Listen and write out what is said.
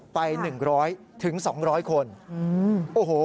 ไป๑๐๐๒๐๐คนโอ้โห